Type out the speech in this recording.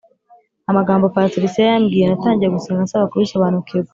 amagambo Patricia yambwiye Natangiye gusenga nsaba kubisobanukirwa